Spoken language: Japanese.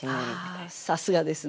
あさすがですね。